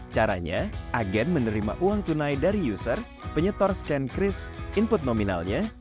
caranya agen menerima uang tunai dari user penyetor scan kris input nominalnya